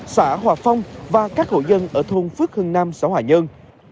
xã hòa phong và các hội dân ở thôn phước hưng nam xã hòa nhân